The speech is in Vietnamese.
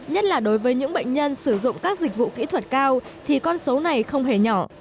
nhất là đối với những bệnh nhân sử dụng các dịch vụ kỹ thuật cao thì con số này không hề nhỏ